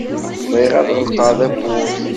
Bɣiɣ ad ɣelqeɣ tawwurt.